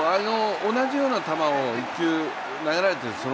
同じような球を１球、その前に投げられてる。